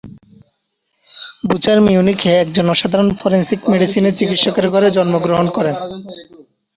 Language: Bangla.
বুচার মিউনিখে একজন অসাধারণ ফরেনসিক মেডিসিনের চিকিৎসকের ঘরে জন্মগ্রহণ করেন।